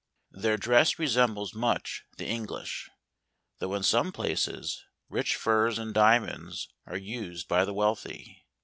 Their dress resembles much the English, though in some places, rich furs and diamonds are used by the wealthy.